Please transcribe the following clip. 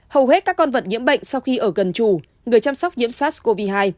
hầu hết các con vật nhiễm bệnh sau khi ở gần chủ người chăm sóc nhiễm sars cov hai